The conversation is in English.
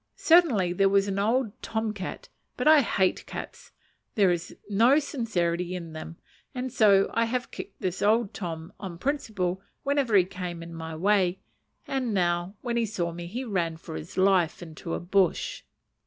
Certainly there was an old tom cat; but I hate cats: there is no sincerity in them, and so I had kicked this old tom, on principle, whenever he came in my way, and now, when he saw me, he ran for his life into the bush.